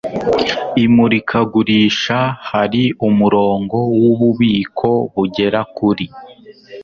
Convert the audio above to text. Imurikagurisha hari umurongo wububiko bugera kuri .